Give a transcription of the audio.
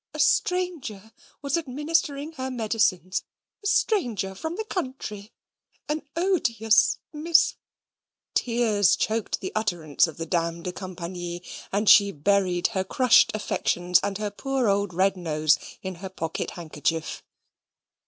A stranger was administering her medicines a stranger from the country an odious Miss ... tears choked the utterance of the dame de compagnie, and she buried her crushed affections and her poor old red nose in her pocket handkerchief.